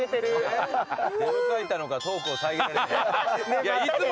出迎えたのかトークを遮られた。